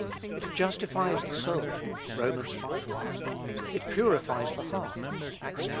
It justifies the soul; (Rom. v. 1;) it purifies the heart; (Acts xv.